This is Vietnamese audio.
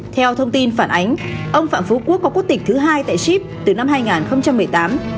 theo thông tin phản ánh ông phạm phú quốc có quốc tịch thứ hai tại ship từ năm hai nghìn một mươi tám